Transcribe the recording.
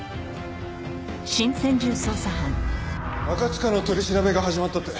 赤塚の取り調べが始まったって。